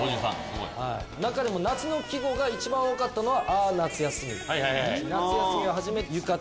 中でも夏の季語が一番多かったのは。